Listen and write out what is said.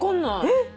えっ？